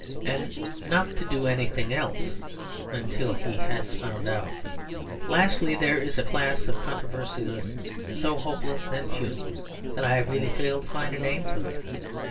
And not to do anything else until he has found out. Lastly, there is a class of controversialists so hopeless and futile that I have really failed to find a name for them.